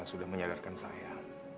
sudah menyadarkan saya